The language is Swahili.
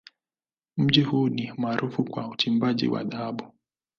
Mji huu ni maarufu kwa uchimbaji wa dhahabu.